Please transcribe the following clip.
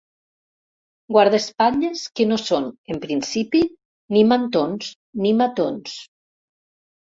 Guarda-espatlles que no són, en principi, ni mantons ni matons.